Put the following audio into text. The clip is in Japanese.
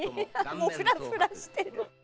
もうフラフラしてる。